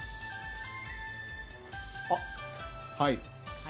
あっ、はい。